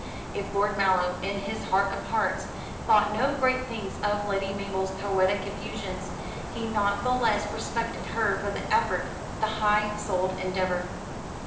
If Lord Mallow, in his heart of hearts, thought no great things of Lady Mabel's poetic effusions, he not the less respected her for the effort, the high souled endeavour.